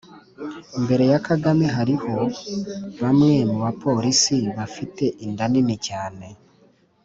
mbere ya kagame hariho bamwe mu bapolisi bafite inda nini cyane